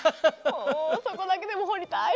もうそこだけも掘りたい。